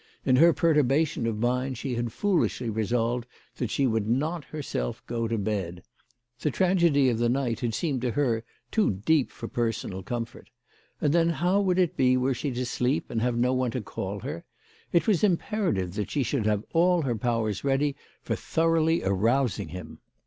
In her perturbation of mind she had foolishly resolved that she would not herself go to bed. The tragedy of the night had seemed to her too deep for personal comfort. And thgn how would it be were she to sleep, and have no one to call her ? It was impera tive that she should have all her powers ready for thoroughly arousing him.